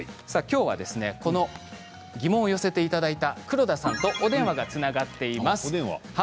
きょうは疑問を寄せていただいた黒田さんとお電話がつながっています。